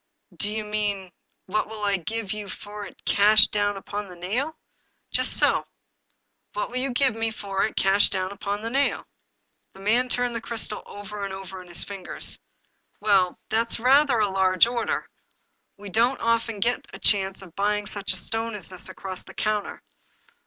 " Do you mean, what will I give you for it cash down upon the nail ?"" Just so — what will you give me for it cash down upon the nail?" The man turned the crystal over and over in his fingers. " Well, that's rather a large order. We don't often get a chance of buying such a stone as this across the counter.